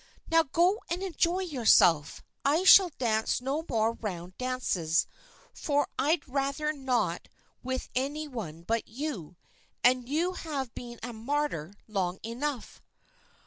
"Now go and enjoy yourself. I shall dance no more round dances, for I'd rather not with any one but you, and you have been a martyr long enough."